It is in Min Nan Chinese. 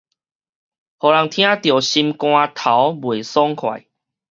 予人聽著心肝頭袂爽快